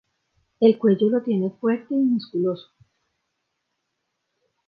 El cuello lo tiene fuerte y musculoso.